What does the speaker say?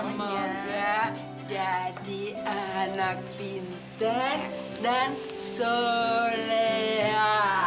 semoga jadi anak pintar dan solea